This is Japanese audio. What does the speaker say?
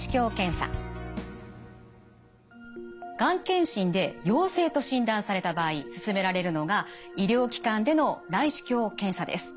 がん検診で陽性と診断された場合すすめられるのが医療機関での内視鏡検査です。